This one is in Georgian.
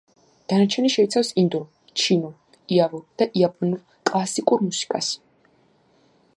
დანარჩენი შეიცავს ინდურ, ჩინურ, იავურ და იაპონურ კლასიკურ მუსიკას.